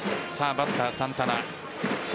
バッター・サンタナ。